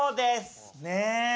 ねえ。